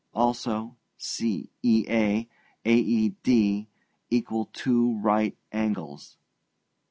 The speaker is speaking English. Also CEA, AED equal two right angles.'